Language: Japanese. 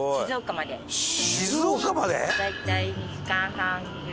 大体２時間半ぐらい。